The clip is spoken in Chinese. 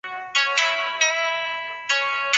范围包括英国全国和爱尔兰。